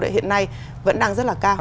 hiện nay vẫn đang rất là cao